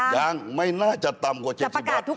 ยังไม่น่าจะต่ำกว่า๗๐บาท